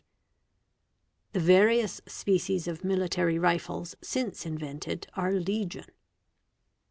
The various species of military rifles since invented are legion.